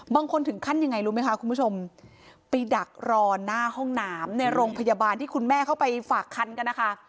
บางคนถึงขั้นยังไงรู้ไหมคะคุณผู้ชมไปดักรอหน้าห้องน้ำในโรงพยาบาลที่คุณแม่เข้าไปฝากคันกันนะคะ